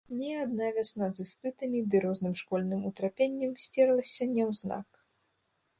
Не адна вясна з іспытамі ды розным школьным утрапеннем сцерлася няўзнак.